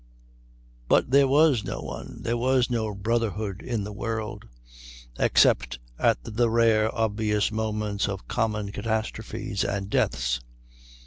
But there was no one; there was no brotherhood in the world, except at the rare obvious moments of common catastrophes and deaths.